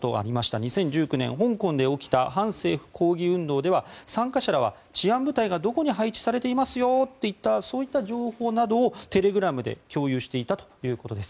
２０１９年、香港で起きた反政府抗議運動では参加者らは、治安部隊がどこに配置されていますよといった情報などをテレグラムで共有していたということです。